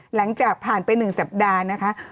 หลังจากผ่านไป๑สัปดาห์นะคะ